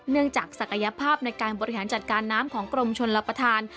จากศักยภาพในการบริหารจัดการน้ำของกรมชนรับประทาน